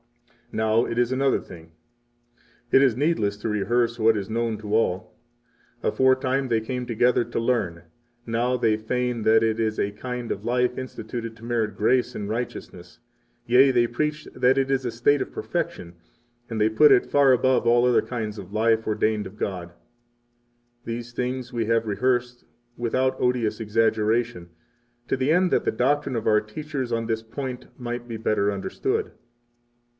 Now it is another thing. It is needless to rehearse what is known to all. 16 Aforetime they came together to learn; now they feign that it is a kind of life instituted to merit grace and righteousness; yea, they preach that it is a state of perfection, and they put it far above all other kinds of life ordained of God. 17 These things we have rehearsed without odious exaggeration, to the end that the doctrine of our teachers on this point might be better understood.